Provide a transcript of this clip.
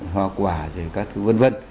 hoa quả rồi các thứ vân vân